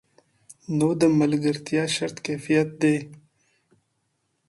نو د ملګرتیا شرط کیفیت دی.